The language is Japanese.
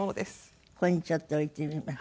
ここにちょっと置いてみます。